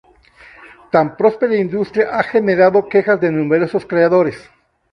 Tan prospera industria ha generado quejas de numerosos creadores.